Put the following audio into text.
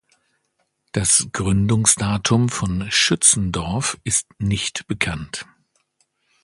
Das Gründungsdatum von "Schützendorf" ist nicht bekannt.